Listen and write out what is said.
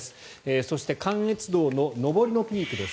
そして関越道の上りのピークです。